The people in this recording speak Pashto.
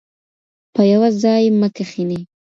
په یوه ځای مه کښینئ.